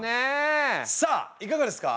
さあいかがですか？